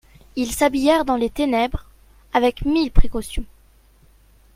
Ils s'habillèrent dans les ténèbres, avec mille précautions.